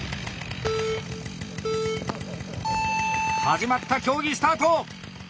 始まった競技スタート！